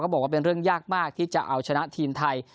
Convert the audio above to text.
บอกว่าเป็นเรื่องยากมากที่จะเอาชนะทีมไทย